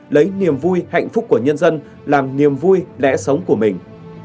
lấy niềm vui hạnh phúc của nhân dân làm niềm vui lẽ sống của mình